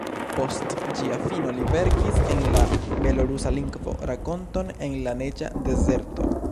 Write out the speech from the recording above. Post ĝia fino li verkis en la belorusa lingvo rakonton ""En la neĝa dezerto"".